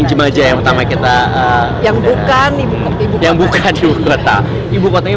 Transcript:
jadi rata rata mata pencarian besar ya